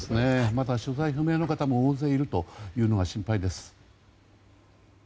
まだ所在不明の方も大勢いるということも心配です。